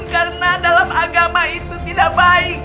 karena dalam agama itu tidak baik